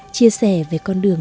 chia sẻ về con đường